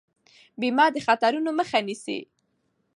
بیمه د خطرونو مخه نیسي.